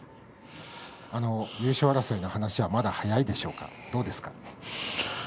優勝争いの話はまだ早いですがどうですか？